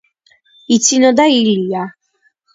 იცინოდა ილია.